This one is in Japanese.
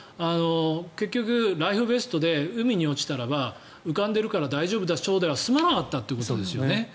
結局、ライフベストで海に落ちたらば浮かんでいるから大丈夫でしょでは済まなかったということですよね。